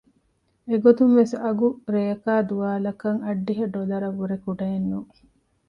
އެގޮތުން ވެސް އަގު ރެއަކާއި ދުވާލަކަށް އަށްޑިހަ ޑޮލަރަށް ވުރެ ކުޑައެއް ނޫން